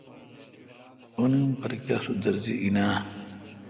اُ نی اُم پرکیا سُودرزی این آں؟